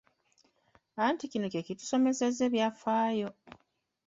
Anti kino kye kitusomesesa ebyafaayo!